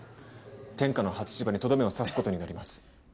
天下のハツシバにとどめを刺すことになります